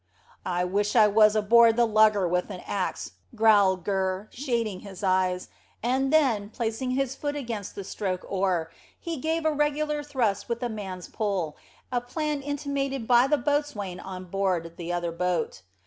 "I wish I was aboard the lugger with an axe," growled Gurr, shading his eyes; and then, placing his foot against the stroke oar, he gave a regular thrust with the man's pull, a plan imitated by the boatswain on board the other boat.